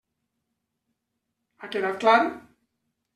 Ha quedat clar?